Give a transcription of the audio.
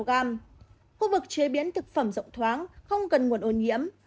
khu vực chế biến thực phẩm rộng thoáng không cần nguồn ô nhiễm